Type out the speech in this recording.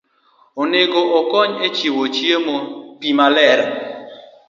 onego okony e chiwo chiemo, pi maler,